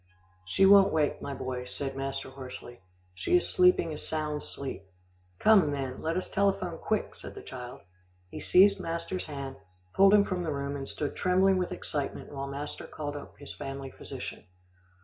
"She won't wake, my boy," said master hoarsely. "She is sleeping a sound sleep." "Come, then, let us telephone quick," said the child. He seized master's hand, pulled him from the room, and stood trembling with excitement while master called up his family physician.